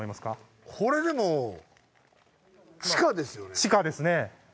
地下ですね。